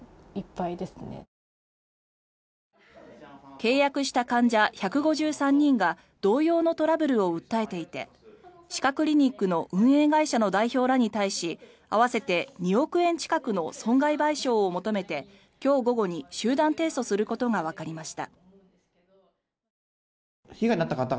契約した患者１５３人が同様のトラブルを訴えていて歯科クリニックの運営会社の代表らに対し合わせて２億円近くの損害賠償を求めて今日午後に集団提訴することがわかりました。